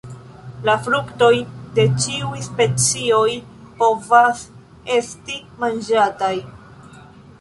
La fruktoj de ĉiuj specioj povas esti manĝataj.